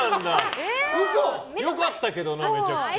良かったけどな、めちゃめちゃ。